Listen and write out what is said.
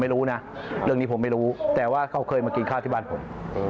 ไม่รู้นะเรื่องนี้ผมไม่รู้แต่ว่าเขาเคยมากินข้าวที่บ้านผม